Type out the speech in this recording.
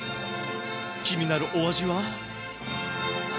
気になるお味は？